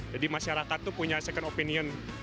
jadi masyarakat itu punya second opinion